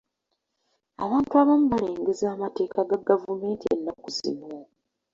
Abantu abamu balengezza amateeka ga gavumneti ennaku zino.